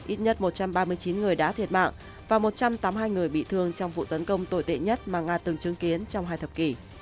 ít nhất một trăm ba mươi chín người đã thiệt mạng và một trăm tám mươi hai người bị thương trong vụ tấn công tồi tệ nhất mà nga từng chứng kiến trong hai thập kỷ